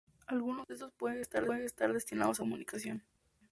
Algunos de estos pueden estar destinados a producir comunicación.